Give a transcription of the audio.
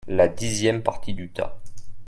La dixième partie du tas.